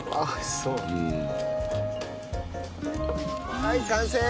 はい完成！